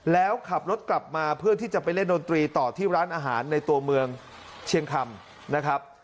แล้วขับรถกลับมาเพื่อที่จะไปเล่นดนตรีต่อที่ร้านอาหารในตัวเมืองเชียงคำนะครับ